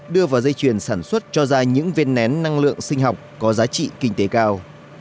đưa vào dây chuyền sản xuất cho ra những viên nén năng lượng sinh học có giá trị kinh tế cao